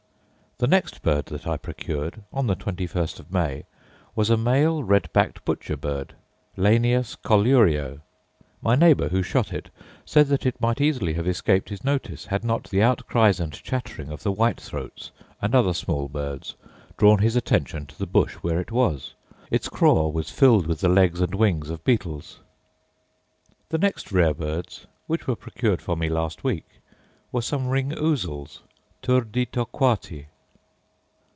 The next bird that I procured (on the 21st of May) was a male red backed butcher bird, lanius collurio. My neighbour, who shot it, says that it might easily have escaped his notice, had not the outcries and chattering of the white throats and other small birds drawn his attention to the bush where it was: its craw was filled with the legs and wings of beetles. The next rare birds (which were procured for me last week) were some ring ousels, turdi torquati.